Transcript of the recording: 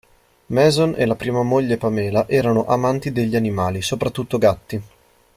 Mason e la prima moglie Pamela erano amanti degli animali, soprattutto gatti.